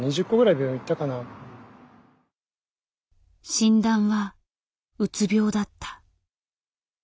診断はうつ病だった。